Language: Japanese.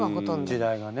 時代がね。